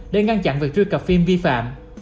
để ngăn chặn việc truy cập phim vi phạm